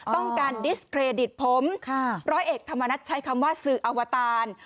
ต้องการดิสเครดิตผมร้อยเอกธรรมนัฐใช้คำว่าสื่ออวตาร